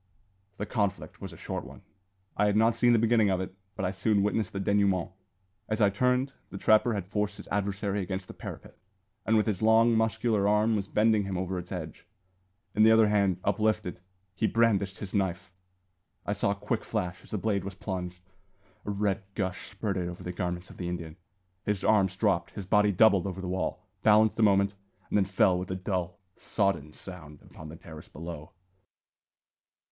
The conflict was a short one. I had not seen the beginning of it, but I soon witnessed the denouement. As I turned, the trapper had forced his adversary against the parapet, and with his long, muscular arm was bending him over its edge. In the other hand, uplifted, he brandished his knife! I saw a quick flash as the blade was plunged; a red gush spurted over the garments of the Indian; his arms dropped, his body doubled over the wall, balanced a moment, and then fell with a dull, sodden sound upon the terrace below!